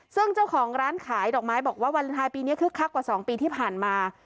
ซึ่งเจ้าของร้านขายดอกไม้บอกว่าวาเลนไทยปีนี้คึกคักกว่า๒ปีที่ผ่านมา